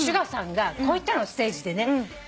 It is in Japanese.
こう言ったのステージで。